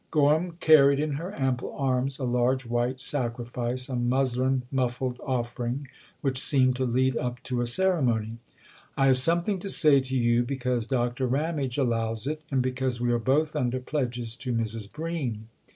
Gorham carried in her ample arms a large white sacrifice, a muslin muffled offering which seemed to lead up to a ceremony. " I have something to say to you because Doctor Ramage allows it, and because we are both under pledges to Mrs. Bream.